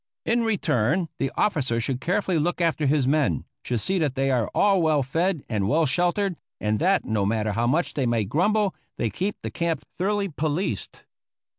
In return the officer should carefully look after his men, should see that they are well fed and well sheltered, and that, no matter how much they may grumble, they keep the camp thoroughly policed.